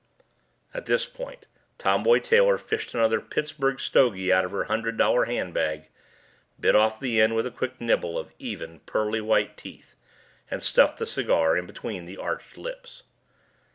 At this point Tomboy Taylor fished another Pittsburgh stogie out of her hundred dollar handbag, bit off the end with a quick nibble of even, pearly white teeth, and stuffed the cigar in between the arched lips.